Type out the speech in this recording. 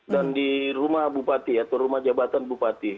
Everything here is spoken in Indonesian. dan di rumah bupati atau rumah jabatan bupati